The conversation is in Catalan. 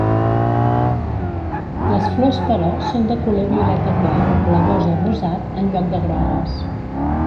Les flors però són de color violeta clar, blavós o rosat en lloc de grogues.